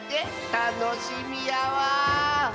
たのしみやわ。